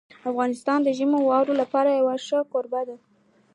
افغانستان د ژمنیو واورو لپاره یو ښه کوربه دی.